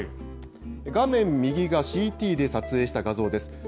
画面右がＣＴで撮影した画像です。